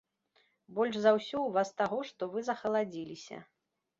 Больш за ўсё ў вас таго, што вы захаладзіліся.